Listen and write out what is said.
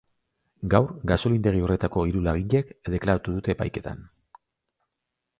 Gaur gasolindegi horretako hiru langilek deklaratu dute epaiketan.